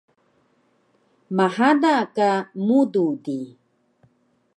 mhada ka mudu di